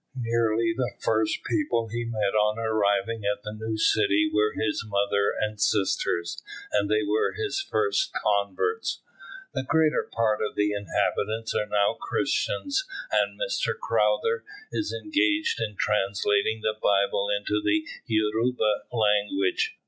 Nearly the first people he met on arriving at the new city were his mother and sisters, and they were his first converts. The greater part of the inhabitants are now Christians, and Mr Crowther is engaged in translating the Bible into the Yoruba language.